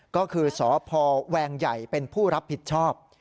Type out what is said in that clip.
ก็คือสพแวงใหญ่เป็นผู้รับผิดชอบ